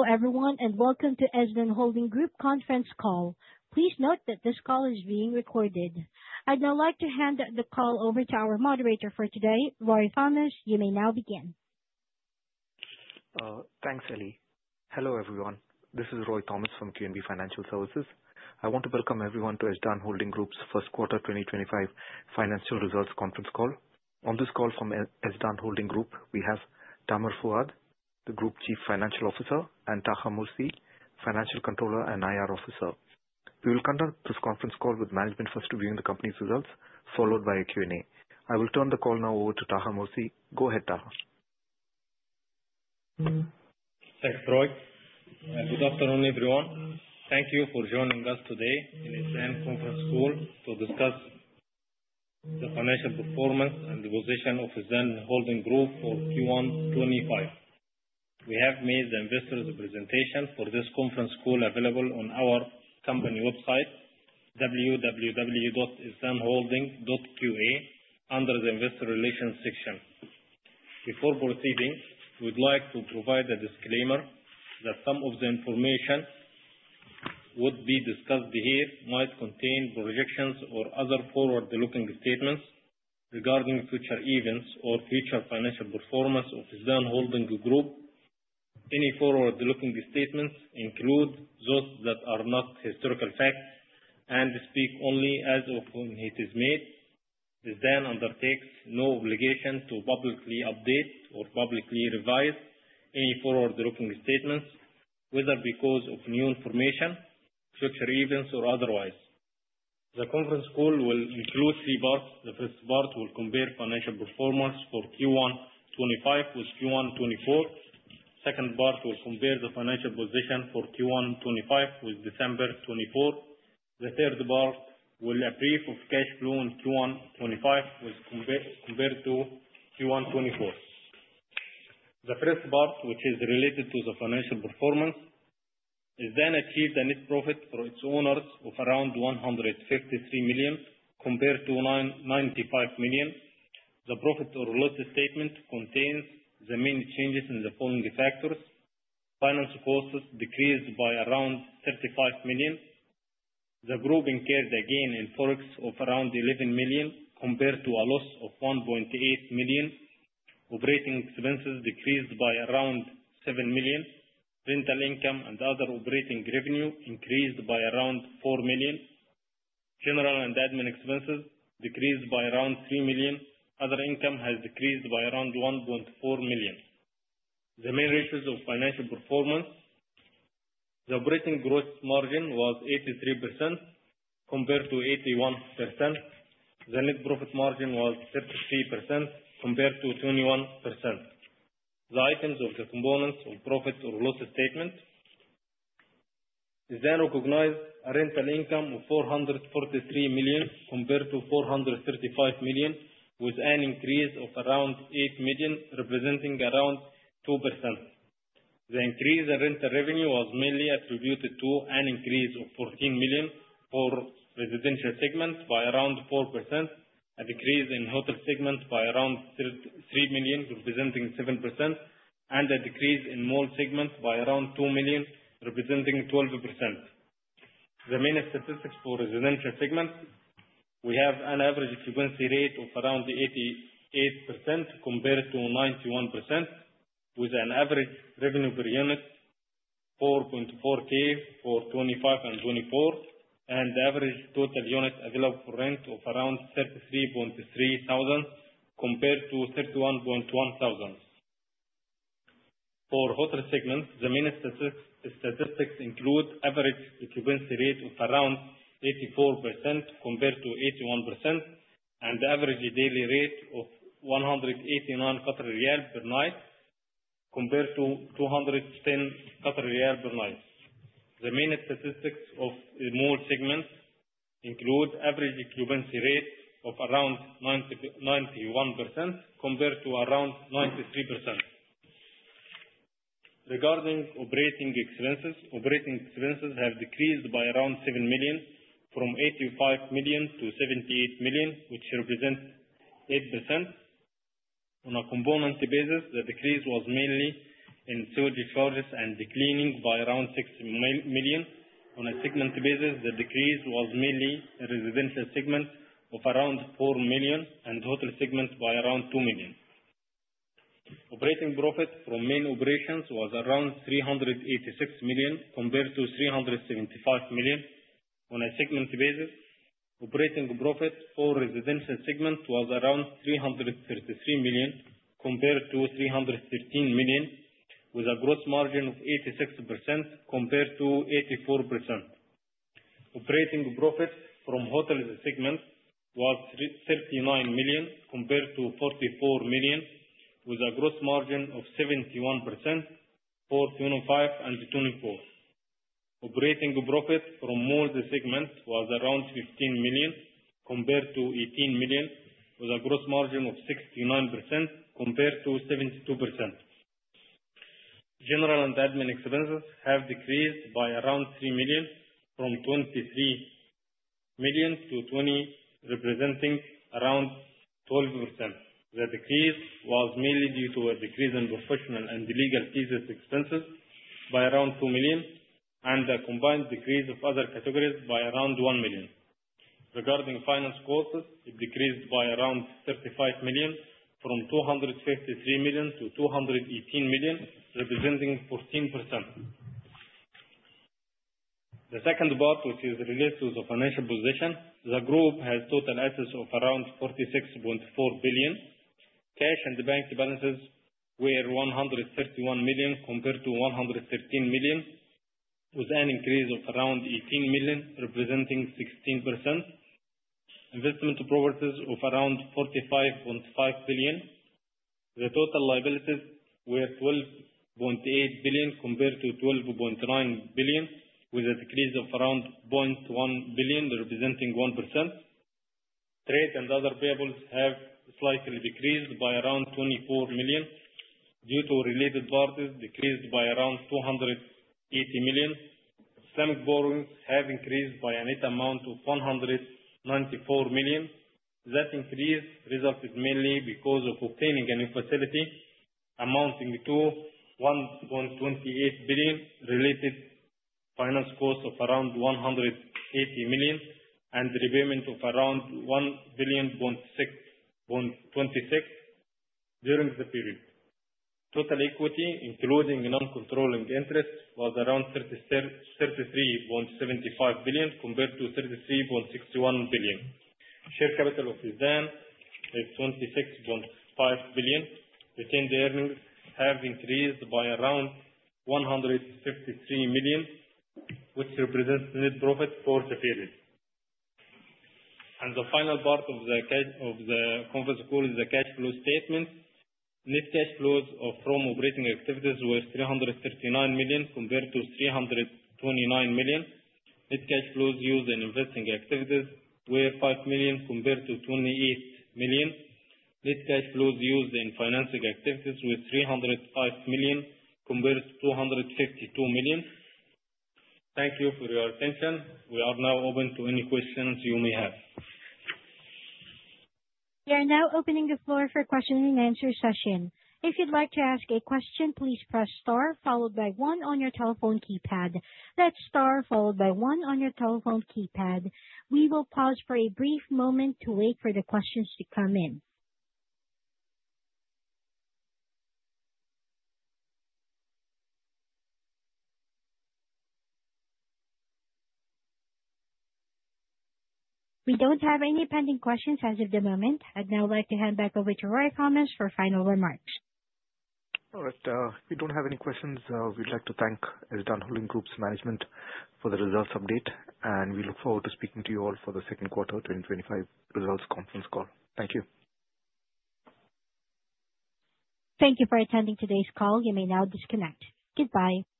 Hello, everyone, and welcome to Ezdan Holding Group Conference call. Please note that this call is being recorded. I'd now like to hand the call over to our moderator for today, Roy Thomas. You may now begin. Thanks, Eli. Hello, everyone. This is Roy Thomas from QNB Financial Services. I want to welcome everyone to Ezdan Holding Group's first quarter 2025 financial results conference call. On this call from Ezdan Holding Group, we have Tamer Fouad, the Group Chief Financial Officer, and Taha Moursi, Financial Controller and IR Officer. We will conduct this conference call with management first reviewing the company's results, followed by a Q&A. I will turn the call now over to Taha Moursi. Go ahead, Taha. Thanks, Roy. Good afternoon, everyone. Thank you for joining us today in Ezdan Conference Call to discuss the financial performance and the position of Ezdan Holding Group for Q1 2025. We have made the investor's presentation for this conference call available on our company website, www.ezdanholding.qa, under the Investor Relations section. Before proceeding, we'd like to provide a disclaimer that some of the information that would be discussed here might contain projections or other forward-looking statements regarding future events or future financial performance of Ezdan Holding Group. Any forward-looking statements include those that are not historical facts and speak only as of when it is made. Ezdan undertakes no obligation to publicly update or publicly revise any forward-looking statements, whether because of new information, future events, or otherwise. The conference call will include three parts. The first part will compare financial performance for Q1 2025 with Q1 2024. The second part will compare the financial position for Q1 2025 with December 2024. The third part will be a brief of cash flow in Q1 2025 compared to Q1 2024. The first part, which is related to the financial performance, Ezdan achieved a net profit for its owners of around 153 million compared to 995 million. The profit or loss statement contains the main changes in the following factors: financial costs decreased by around 35 million, the group incurred a gain in forex of around 11 million compared to a loss of 1.8 million, operating expenses decreased by around 7 million, rental income and other operating revenue increased by around 4 million, general and admin expenses decreased by around 3 million, other income has decreased by around 1.4 million. The main ratios of financial performance: the operating gross margin was 83% compared to 81%. The net profit margin was 33% compared to 21%. The items of the components of profit or loss statement: Ezdan recognized a rental income of 443 million compared to 435 million, with an increase of around 8 million, representing around 2%. The increase in rental revenue was mainly attributed to an increase of 14 million for residential segment by around 4%, a decrease in hotel segment by around 3 million, representing 7%, and a decrease in mall segment by around 2 million, representing 12%. The main statistics for residential segment: we have an average occupancy rate of around 88% compared to 91%, with an average revenue per unit of 4,400 for 2025 and 2024, and the average total unit available for rent of around 33,300 compared to 31,100. For hotel segment, the main statistics include average occupancy rate of around 84% compared to 81%, and the average daily rate of 189 riyal per night compared to 210 riyal per night. The main statistics of mall segment include average occupancy rate of around 91% compared to around 93%. Regarding operating expenses, operating expenses have decreased by around 7 million, from 85 million to 78 million, which represents 8%. On a component basis, the decrease was mainly in sewage charges and cleaning by around 6 million. On a segment basis, the decrease was mainly in residential segment of around 4 million and hotel segment by around 2 million. Operating profit from main operations was around 386 million compared to 375 million. On a segment basis, operating profit for residential segment was around 333 million compared to 313 million, with a gross margin of 86% compared to 84%. Operating profit from hotel segment was 39 million compared to 44 million, with a gross margin of 71% for 2025 and 2024. Operating profit from mall segment was around 15 million compared to 18 million, with a gross margin of 69% compared to 72%. General and admin expenses have decreased by around 3 million, from 23 million to 20 million, representing around 12%. The decrease was mainly due to a decrease in professional and legal fees expenses by around 2 million, and a combined decrease of other categories by around 1 million. Regarding finance costs, it decreased by around 35 million, from 253 million to 218 million, representing 14%. The second part, which is related to the financial position, the group has total assets of around 46.4 billion. Cash and bank balances were 131 million compared to 113 million, with an increase of around 18 million, representing 16%. Investment properties of around 45.5 billion. The total liabilities were 12.8 billion compared to 12.9 billion, with a decrease of around 0.1 billion, representing 1%. Trade and other payables have slightly decreased by around 24 million due to related parties decreased by around 280 million. Islamic borrowings have increased by a net amount of 194 million. That increase resulted mainly because of obtaining a new facility amounting to 1.28 billion, related finance costs of around 180 million, and repayment of around 1.026 billion during the period. Total equity, including non-controlling interest, was around 33.75 billion compared to 33.61 billion. Share capital of Ezdan is 26.5 billion. Retained earnings have increased by around 153 million, which represents net profit for the period. The final part of the conference call is the cash flow statement. Net cash flows from operating activities were 339 million compared to 329 million. Net cash flows used in investing activities were 5 million compared to 28 million. Net cash flows used in financing activities were 305 million compared to 252 million. Thank you for your attention. We are now open to any questions you may have. We are now opening the floor for question and answer session. If you'd like to ask a question, please press star followed by one on your telephone keypad. That's star followed by one on your telephone keypad. We will pause for a brief moment to wait for the questions to come in. We don't have any pending questions as of the moment. I'd now like to hand back over to Roy Thomas for final remarks. All right. If you don't have any questions, we'd like to thank Ezdan Holding Group's management for the results update, and we look forward to speaking to you all for the second quarter 2025 results conference call. Thank you. Thank you for attending today's call. You may now disconnect. Goodbye.